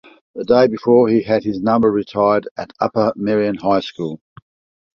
The day before he had his number retired at Upper Merion High School.